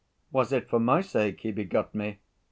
'Was it for my sake he begot me?